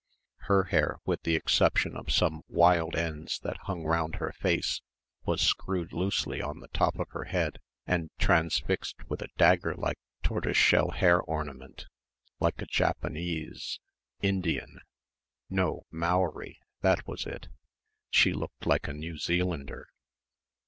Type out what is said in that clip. Her hair, with the exception of some wild ends that hung round her face was screwed loosely on the top of her head and transfixed with a dagger like tortoise shell hair ornament like a Japanese Indian no, Maori that was it, she looked like a New Zealander.